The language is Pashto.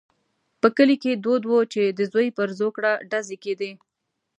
په کلي کې دود وو چې د زوی پر زوکړه ډزې کېدې.